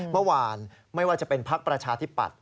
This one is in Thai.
เมื่อวานไม่ว่าจะเป็นพักประชาธิปัตย